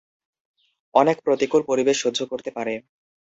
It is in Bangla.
অনেক প্রতিকূল পরিবেশ সহ্য করতে পারে।